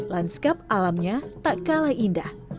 lanskap alamnya tak kalah indah